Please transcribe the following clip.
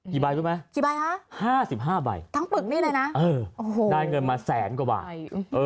กี่ใบด้วยไหม๕๕ใบเออได้เงินมาแสนกว่าบาท